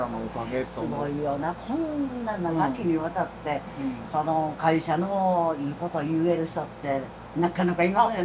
こんな長きにわたってその会社のいいこと言える人ってなかなかいませんよね。